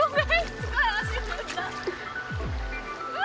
うわ！